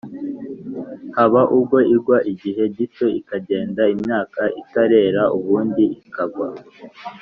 haba ubwo igwa igihe gito ikagenda imyaka itarera, ubundi ikagwa